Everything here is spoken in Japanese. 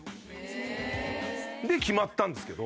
へえー！で決まったんですけど。